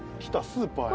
スーパー」